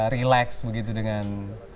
relax begitu dengan